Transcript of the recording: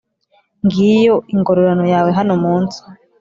ngiyo ingororano yawe hano mu nsi